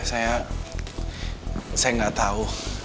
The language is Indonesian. saya nggak tahu